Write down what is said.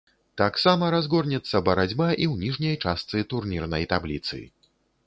Таксама разгорнецца барацьба і ў ніжняй частцы турнірнай табліцы.